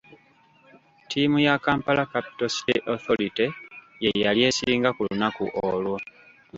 Ttiimu ya Kampala Capital City Authority ye yali esinga ku lunaku olwo.